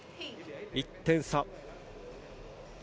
１点差。